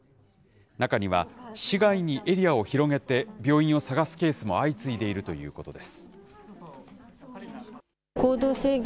中には、市外にエリアを広げて病院を探すケースも相次いでいるということです。